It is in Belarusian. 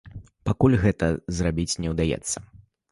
Пакуль гэта зрабіць не ўдаецца.